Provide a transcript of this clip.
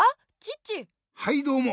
はいどうも。